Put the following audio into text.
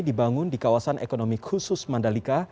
dibangun di kawasan ekonomi khusus mandalika